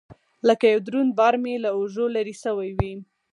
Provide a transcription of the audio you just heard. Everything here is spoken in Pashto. لكه يو دروند بار مې له اوږو لرې سوى وي.